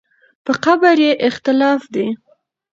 په قبر یې اختلاف دی.